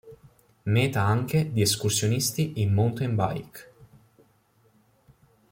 Meta anche di escursionisti in Mountain bike.